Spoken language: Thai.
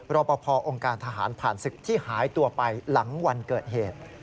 รอปภองค์การทหารผ่านศึกที่หายตัวไปหลังวันเกิดเหตุ